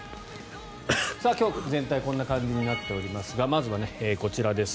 今日は全体こんな感じになっておりますがまずはこちらです。